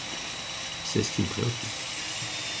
C’est ce qui me préoccupe.